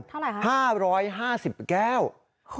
เท่าไหร่ครับ